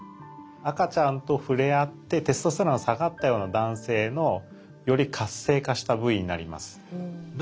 赤ちゃんと触れあってテストステロンが下がったような男性のより活性化した部位になります。